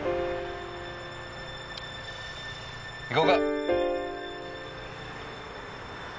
行こうか。